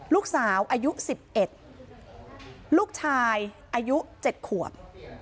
ลูกสาวอายุสิบเอ็ดลูกชายอายุเจ็ดขวบ